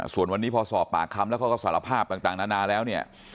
ส่วนวันนี้พอสอบปากคำแล้วเขาก็สารภาพต่างนานาแล้วเนี่ย